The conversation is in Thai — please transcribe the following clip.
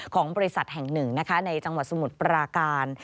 ของบริษัทแห่งหนึ่งนะคะในจังหวัดสมุทรปราการ